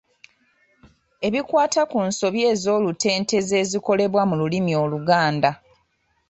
Ebikwata ku nsobi ez'olutentezi ezikolebwa mu lulimi Oluganda.